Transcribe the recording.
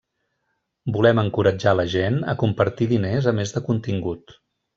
Volem encoratjar la gent a compartir diners a més de contingut.